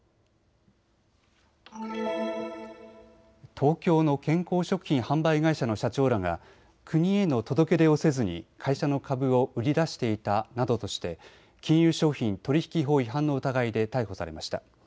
東京の健康食品販売会社の社長らが国への届け出をせずに会社の株を売り出していたなどとして金融商品取引法違反の疑いで逮捕されました。